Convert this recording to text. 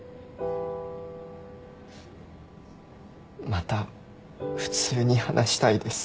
また普通に話したいです。